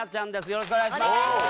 よろしくお願いします。